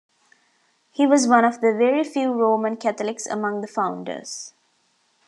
He was one of the very few Roman Catholics among the Founders.